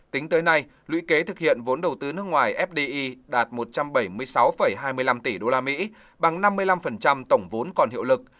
tính tới nay lũy kế thực hiện vốn đầu tư nước ngoài fdi đạt một trăm bảy mươi sáu hai mươi năm tỷ usd bằng năm mươi năm tổng vốn còn hiệu lực